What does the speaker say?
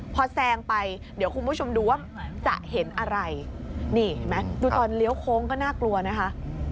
พอแซงไปเดี๋ยวคุณผู้ชมดูว่าจะเห็นอะไรนี่เห็นไหมดูตอนเลี้ยวโค้งก็น่ากลัวนะคะ